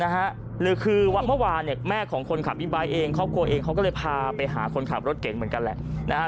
หรือคือเมื่อวานเนี่ยแม่ของคนขับบิ๊กไบท์เองครอบครัวเองเขาก็เลยพาไปหาคนขับรถเก่งเหมือนกันแหละนะฮะ